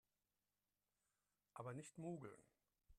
Aber nicht mogeln!